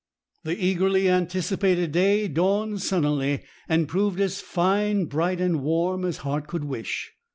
The eagerly anticipated day dawned sunnily, and proved as fine, bright, and warm as heart could wish.